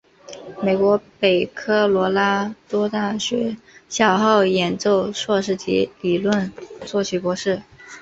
美国北科罗拉多大学小号演奏硕士及理论作曲博士。